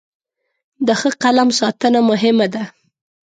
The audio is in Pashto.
د ښه قلم ساتنه مهمه ده.